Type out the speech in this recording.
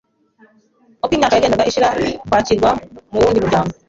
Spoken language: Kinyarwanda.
Uko imyaka yagendaga ishira kwakirwa mu wundi muryango